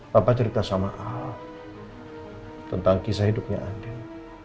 papa cerita sama al tentang kisah hidupnya andin